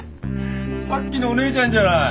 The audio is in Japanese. さっきのおねえちゃんじゃない。